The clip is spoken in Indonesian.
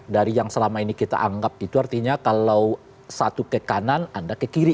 dari yang selama ini kita anggap itu artinya kalau satu ke kanan anda ke kiri